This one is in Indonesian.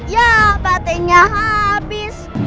ya batinnya habis